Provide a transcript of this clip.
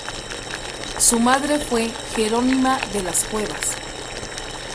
Su madre fue Jerónima de las Cuevas.